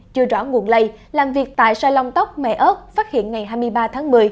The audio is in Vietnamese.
chưa rõ nguồn lây làm việc tại sai long tóc mẹ ớt phát hiện ngày hai mươi ba tháng một mươi